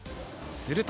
すると。